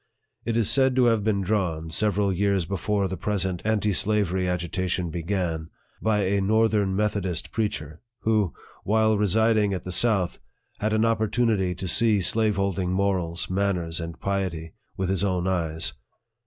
It is said to have been drawn, several years before the present LIFE OF FREDERICK DOUGLASS. 123 anti slavery agitation began, by a northern Methodis* preacher, who, while residing at the south, had an op portunity to see slaveholding morals, manners, and piety, with his own eyes.